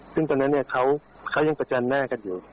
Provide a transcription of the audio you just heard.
ซึ่งตอนนั้นเขายังประจันหน้ากันอยู่